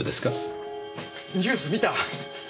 ニュース見た？